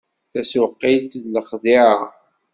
Tasuqilt d lexdiɛa.